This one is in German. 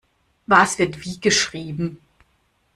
Was wird wie geschrieben?